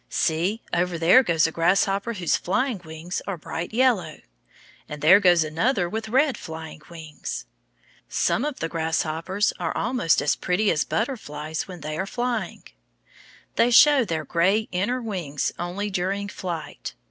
See, over there goes a grasshopper whose flying wings are bright yellow. And there goes another with red flying wings. Some of the grasshoppers are almost as pretty as butterflies when they are flying. They show their gay inner wings only during flight.